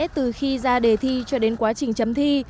từ khi ra đề thi cho đến quá trình chấm thi